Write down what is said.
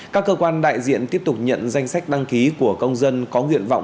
các cơ quan đại diện tiếp tục nhận danh sách đăng ký của công dân có nguyện vọng